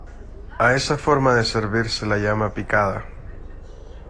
A esa forma de servir se la llama picada.